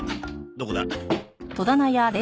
どこだ？